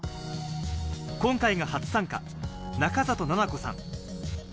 今回が初参加、中里菜々子さん。